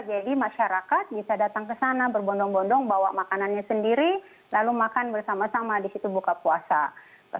jadi masyarakat bisa datang ke sana berbondong bondong bawa makanannya sendiri lalu makan bersama sama di situ buka puasa